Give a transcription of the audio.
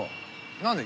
何で？